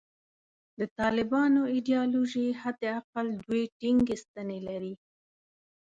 د طالبانو ایدیالوژي حد اقل دوې ټینګې ستنې لري.